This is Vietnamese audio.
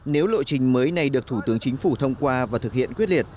nếu lộ trình mới này được thủ tướng chính phủ thông qua và thực hiện quyết liệt